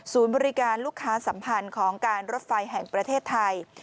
บริการลูกค้าสัมพันธ์ของการรถไฟแห่งประเทศไทย